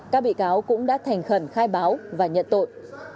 các bị cáo cũng đã thành khẩn khai báo và nhận tội